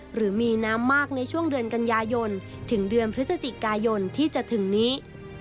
หรือมีน้ำมากในช่วงเดือนกันยายนถึงเดือนพฤศจิกายนที่จะถึงนี้